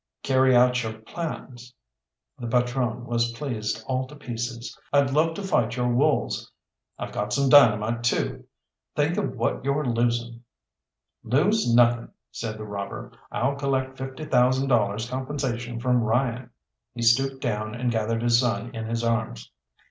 "Carry out your plans," the patrone was pleased all to pieces. "I'd love to fight your wolves. I've got some dynamite, too! Think of what you're losing!" "Lose nothing!" said the robber. "I'll collect fifty thousand dollars compensation from Ryan!" He stooped down and gathered his son in his arms.